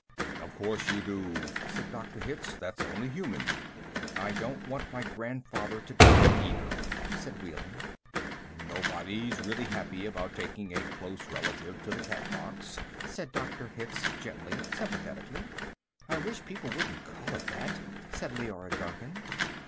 "Of course you do," said Dr. Hitz. "That's only human." "I don't want my grandfather to die, either," said Wehling. "Nobody's really happy about taking a close relative to the Catbox," said Dr. Hitz gently, sympathetically. "I wish people wouldn't call it that," said Leora Duncan.